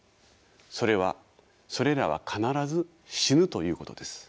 それはそれらは必ず死ぬということです。